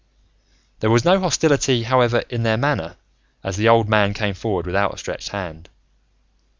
There was no hostility, however, in their manner as the old man came forward with outstretched hand.